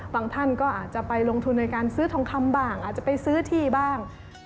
ท่านก็อาจจะไปลงทุนในการซื้อทองคำบ้างอาจจะไปซื้อที่บ้าง